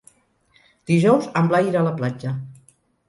Dijous en Blai irà a la platja.